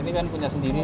ini kan punya sendiri